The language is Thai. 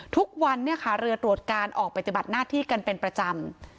ทุกวันเรือตรวจการออกไปจบัตรหน้าที่กันเป็นประจำ